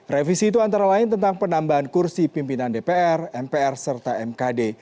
revisi itu antara lain tentang penambahan kursi pimpinan dpr mpr serta mkd